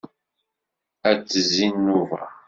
Ad d-tezzi nnuba.